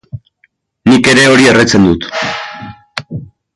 Nik ere hori erretzen dut.